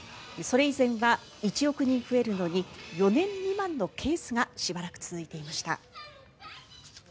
それ以前は１億人増えるのに４年未満のケースがしばらく続いていました。